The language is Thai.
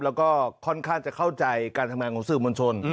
แล้วก็ค่อนข้างจะเข้าใจการทำงานของสื่อมวลชน